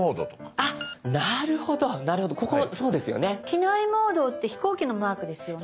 「機内モード」って飛行機のマークですよね？